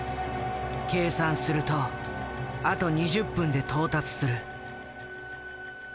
計算するとあと２０分で到達する。